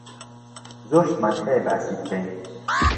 زۆر شتمان هەیە باسی بکەین.